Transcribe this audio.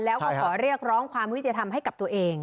แล้วก็ขอเรียกร้องความยุติธรรมให้กับตัวเอง